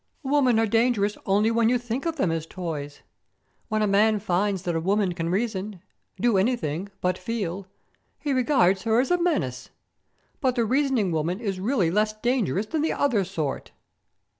"Women are dangerous only when you think of them as toys. When a man finds that a woman can reason, do anything but feel, he regards her as a menace. But the reasoning woman is really less dangerous than the other sort."